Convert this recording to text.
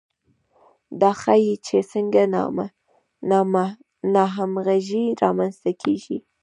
دا ښيي چې څنګه ناهمغږي رامنځته کیږي.